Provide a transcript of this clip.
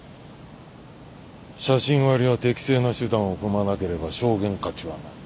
写真割りは適正な手段を踏まなければ証言価値はない。